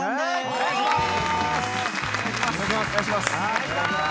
・お願いしまーす。